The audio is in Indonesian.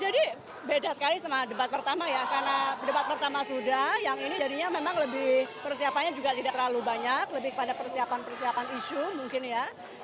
jadi beda sekali sama debat pertama ya karena debat pertama sudah yang ini jadinya memang lebih persiapannya juga tidak terlalu banyak lebih kepada persiapan persiapan isu mungkin ya